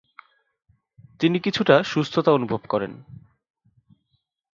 তিনি কিছুটা সুস্থতা অনুভব করেন।